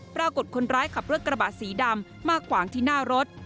ปรากฏคนร้ายขับรถกระบะสีดำมาขวางที่หน้ารถ